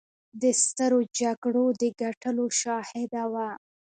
د سترو جګړو د ګټلو شاهده وه.